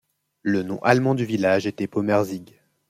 Le nom allemand du village était Pommerzig.